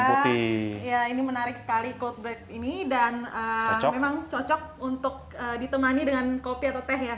ya ini menarik sekali cold bread ini dan memang cocok untuk ditemani dengan kopi atau teh ya